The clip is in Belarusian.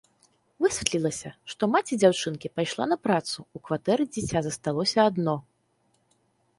Высветлілася, што маці дзяўчынкі пайшла на працу, у кватэры дзіця засталося адно.